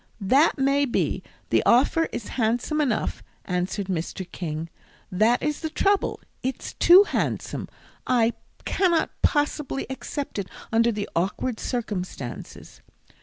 "That may be; the offer is handsome enough," answered Mr. King, "that is the trouble, it's too handsome. I cannot possibly accept it under the awkward circumstances.